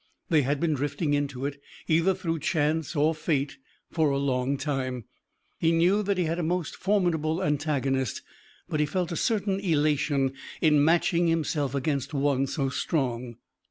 They had been drifting into it, either through chance or fate, for a long time. He knew that he had a most formidable antagonist, but he felt a certain elation in matching himself against one so strong.